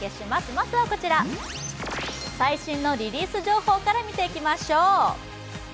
まずは、最新のリリース情報から見ていきましょう。